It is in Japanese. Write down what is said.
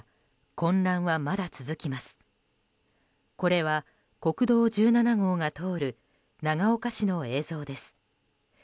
これは国道１７号が通る長岡市の映像です。